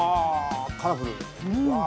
カラフル。